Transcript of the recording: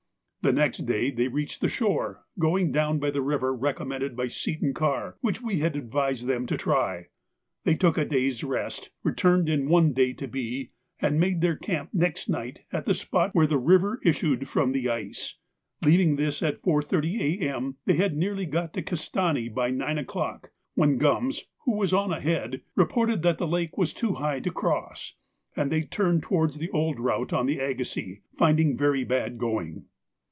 The next day they reached the shore, going down by the river recommended by Seton Karr, which we had advised them to try. They took a day's rest, returned in one day to B, and made their camp next night at the spot where the river issued from the ice. Leaving this at 4.30 A.M., they had nearly got to Castani by nine o'clock, when Gums, who was on ahead, reported that the lake was too high to cross, and they turned towards the old route on the Agassiz, finding very bad going.